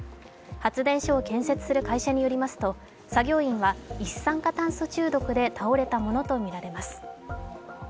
発電所を建設する会社によりますと、作業員は一酸化炭素中毒で倒れたものとみられます。